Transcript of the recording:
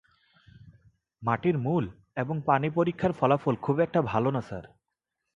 মাটির মূল এবং পানি পরীক্ষার ফলাফল খুব একটা ভালো না স্যার।